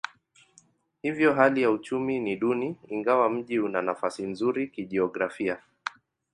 Hivyo hali ya uchumi ni duni ingawa mji una nafasi nzuri kijiografia.